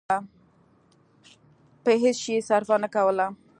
په هېڅ شي يې صرفه نه کوله.